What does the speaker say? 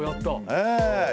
ええ。